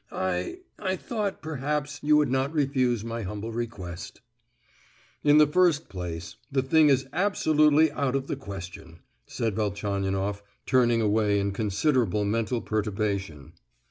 I—I thought perhaps you would not refuse my humble request." "In the first place, the thing is absolutely out of the question," said Velchaninoff, turning away in considerable mental perturbation.